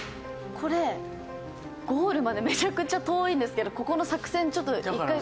これゴールまでめちゃくちゃ遠いんですけどここの作戦ちょっと一回。